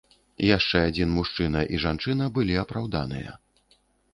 Яшчэ адзін мужчына і жанчына былі апраўданыя.